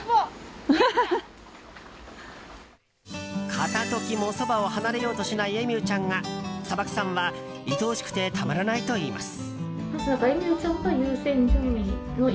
片時もそばを離れようとしないエミューちゃんが砂漠さんは、いとおしくてたまらないといいます。